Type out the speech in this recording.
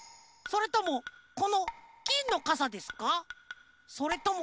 それともこのぎんのかさでしょうか？